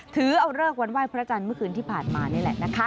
๒๕๕๙๒๕๖๐ถือเอาเลิกวันไหว้พระอาจารย์เมื่อคืนที่ผ่านมานี่แหละนะคะ